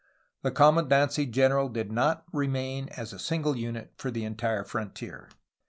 The commandancy general did not remain as a single unit for the entire frontier.